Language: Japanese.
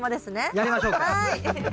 やりましょうか。